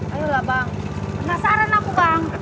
ayolah bang penasaran aku bang